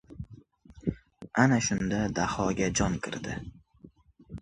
Ana shunda Dahoga jon kirdi!